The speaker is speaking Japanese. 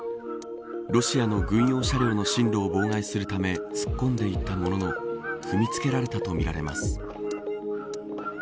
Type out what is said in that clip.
ロシアの軍用車両の進路を妨害するため突っ込んでいったものの踏みつけられたとみられます。